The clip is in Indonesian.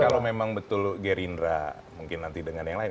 kalau memang betul gerindra mungkin nanti dengan yang lain